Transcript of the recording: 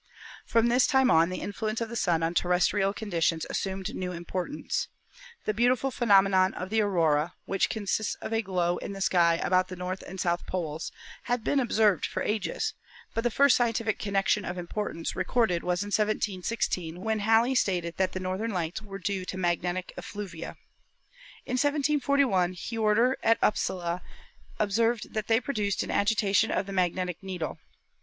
From this time on the influence of the Sun on terrestrial conditions assumed new importance. The beautiful phe nomenon of the aurora, which consists of a glow in the sky about the north and south poles, had been observed for ages, but the first scientific connection of importance re corded was in 1716, when Halley stated that the Northern Lights were due to magnetic "effluvia." In 1^41 Hiorter at Upsala observed that they produced an agitation of the magnetic needle.